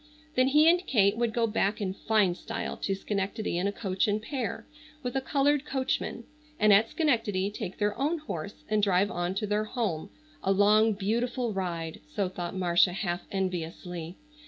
Then he and Kate would go back in fine style to Schenectady in a coach and pair, with a colored coachman, and at Schenectady take their own horse and drive on to their home, a long beautiful ride, so thought Marcia half enviously.